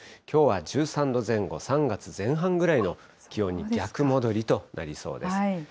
きょうは１３度前後、３月前半ぐらいの気温に逆戻りとなりそうです。